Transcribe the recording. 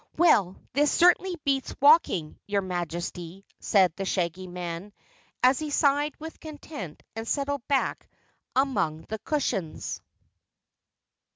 "Well, this certainly beats walking, your Majesty," said the Shaggy Man as he sighed with content and settled back among the cushions.